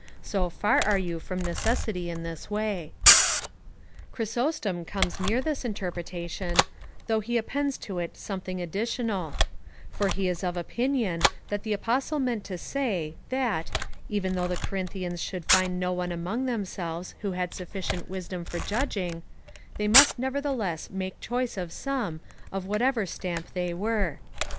So far are you from necessity in this way." Chrysostom comes near this interpretation, though he ap pends to it something additional ; for he is of opinion, that the Apostle meant to say, that, even though the Corinthians should find no one among themselves who had sufficient wisdom for judging, they must nevertheless make choice of some, of whatever stamp they were.